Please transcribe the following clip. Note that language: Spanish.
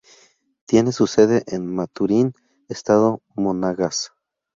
Tiene su sede en Maturín, estado Monagas.